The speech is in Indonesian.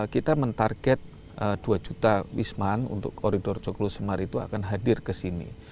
dua ribu sembilan belas kita men target dua juta wisman untuk koridor joglo semar itu akan hadir ke sini